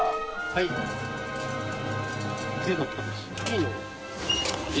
はい。